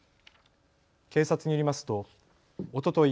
警察によりますとおととい